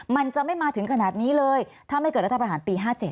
มันจะไม่มาถึงขนาดนี้เลยถ้าไม่เกิดรัฐประหารปี๕๗